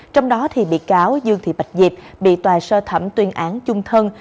trong đó bị cáo dương thị bạch diệp bị tòa sơ thẩm tuyên án chung thân